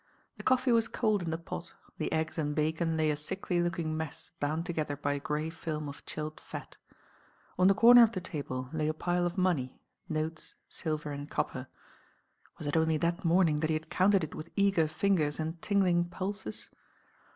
The coffee was cold in the pot, the eggs and bacon lay a sickly looking mess bound together by a grey film of chilled fat. On the corner of the table I / a pile of money, notes, silver .nd copper. Was it only that morning that he had counted it with eager fingers and tingling pulses?